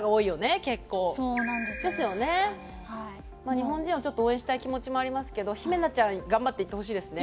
日本人をちょっと応援したい気持ちもありますけどヒメナちゃん頑張っていってほしいですね。